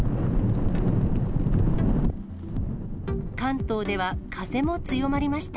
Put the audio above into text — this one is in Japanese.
関東では風も強まりました。